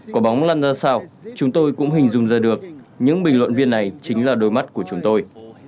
quả bóng lăn ra sao chúng tôi cũng hình dung ra được những bình luận viên này chính là đôi mắt của chúng tôi